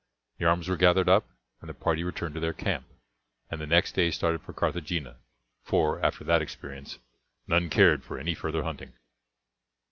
The arms were gathered up, and the party returned to their camp, and the next day started for Carthagena for, after that experience, none cared for any further hunting.